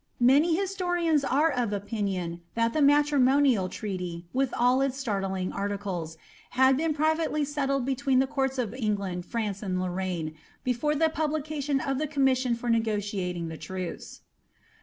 Many historians are of opinion that the matri monial treaty, with all its startling articles, had been privately settled betwem the courts of England, France, and Liorraine, before the publi cation of the commission for negotiating the truce.'